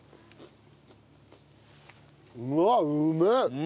うわっうめえ。